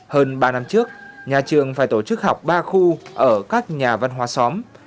hơn ba năm trước nhà trường phải tổ chức học ba khu ở các nhà văn hóa xóm